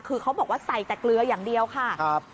คือเขาบอกว่าใส่แต่เกลืออย่างเดียวค่ะ